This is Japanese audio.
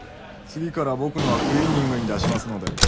次から僕のはクリーニングに出しますので。